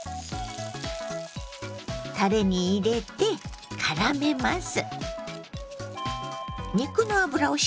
たれに入れてからめます。